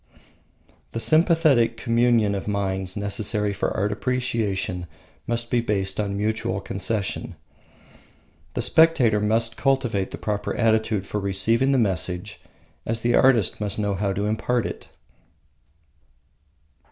The sympathetic communion of minds necessary for art appreciation must be based on mutual concession. The spectator must cultivate the proper attitude for receiving the message, as the artist must know how to impart it.